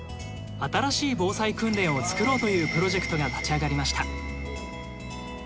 新しい防災訓練を作ろうというプロジェクトが立ち上がりました。